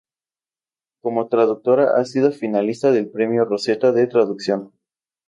Como traductora ha sido finalista del Premio Rosetta de traducción.